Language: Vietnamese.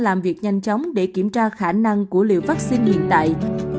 làm việc nhanh chóng để kiểm tra khả năng của liều vaccine hiện tại